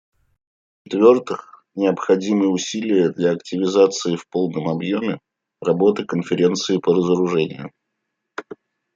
В-четвертых, необходимы усилия для активизации в полном объеме работы Конференции по разоружению.